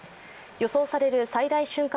予想される最大瞬間